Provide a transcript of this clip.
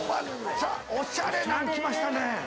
おしゃれなの来ましたね。